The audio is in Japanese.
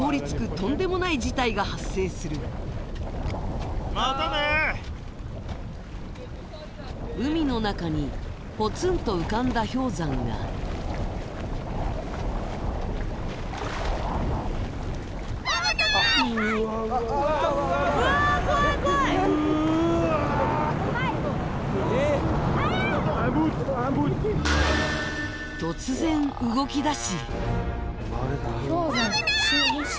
とんでもない事態が発生する海の中にぽつんと浮かんだ氷山が突然動きだし